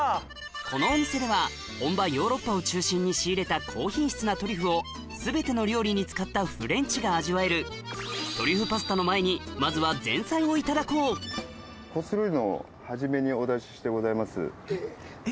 このお店では本場ヨーロッパを中心に仕入れた高品質なトリュフを全ての料理に使ったフレンチが味わえるをいただこうえぇ！